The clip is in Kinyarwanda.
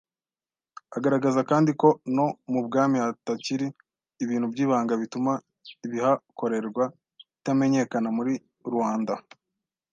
Agaragaza kandi ko no mu bwami hatakiri ibintu by’ibanga bituma ibihakorerwa itamenyekana muri ruanda